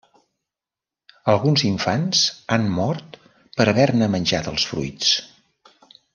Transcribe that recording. Alguns infants han mort per haver-ne menjat els fruits.